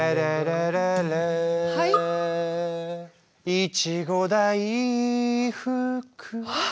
いちご大福はあ！